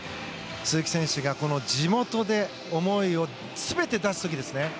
鈴木選手がこの地元で思いを全て出す時ですね。